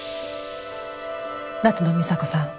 夏野美紗子さん